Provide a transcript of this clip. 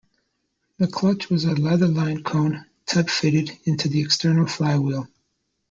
The clutch was a leather lined cone type fitted into the external flywheel.